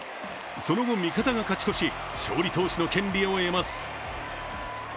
その後、味方が勝ち越し、勝利投手の権利を得ます。